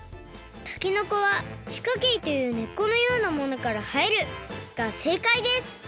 たけのこは「地下茎という根っこのようなものからはえる」がせいかいです！